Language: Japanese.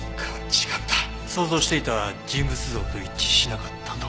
想像していた人物像と一致しなかったと？